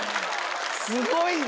すごいな！